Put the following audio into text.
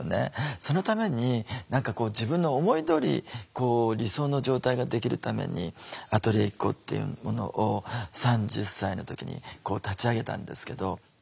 そのために何かこう自分の思いどおり理想の状態ができるためにアトリエＩＫＫＯっていうものを３０歳の時に立ち上げたんですけど。